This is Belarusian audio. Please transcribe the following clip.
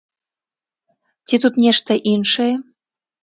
Ці тут нешта іншае?